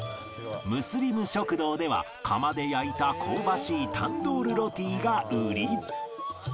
ムスリム食堂では窯で焼いた香ばしいタンドールロティが売り